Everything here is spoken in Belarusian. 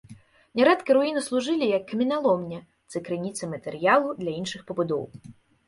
Нярэдка руіны служылі як каменяломня ці крыніца матэрыялу для іншых пабудоў.